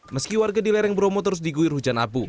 meski warga di lereng bromo terus diguir hujan abu